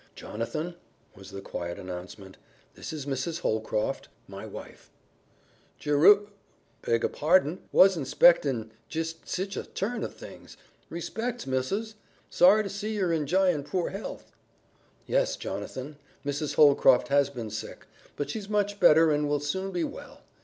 "Jonathan," was the quiet announcement, "this is Mrs. Holcroft, my wife." "Jeru beg a pardon. Wasn't 'spectin; jis' sich a turn o' things. Respects, missus! Sorry to see yer enj'yin' poor health." "Yes, Jonathan, Mrs. Holcroft has been sick, but she's much better and will soon be well.